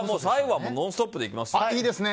最後は「ノンストップ！」でいきますよ。